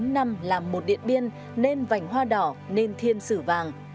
bốn năm làm một điện biên nên vành hoa đỏ nên thiên sử vàng